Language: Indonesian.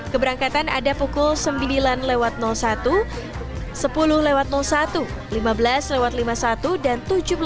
keberangkatan ada pukul sembilan satu sepuluh satu lima belas lima puluh satu dan tujuh belas